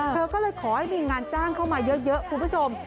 เธอก็เลยขอให้มีงานจ้างเข้ามาเยอะคุณผู้ชม